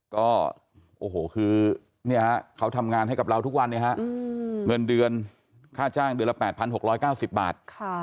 ก็โอ้โหคือเขาทำงานให้กับเราทุกวันเงินเดือนค่าจ้างเดือนละ๘๖๙๐บาท